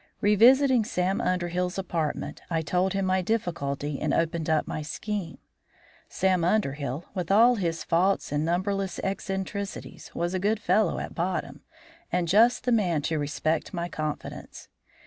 Revisiting Sam Underhill's apartment, I told him my difficulty and opened up my scheme. Sam Underhill, with all his faults and numberless eccentricities, was a good fellow at bottom, and just the man to respect my confidence.